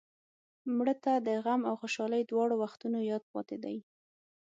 مړه ته د غم او خوشحالۍ دواړو وختونو یاد پاتې دی